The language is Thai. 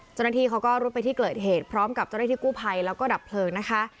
เจ้าหน้าที่เขาก็รุดไปที่เกิดเหตุพร้อมกับเจ้าหน้าที่กู้ภัยแล้วก็ดับเพลิงนะคะ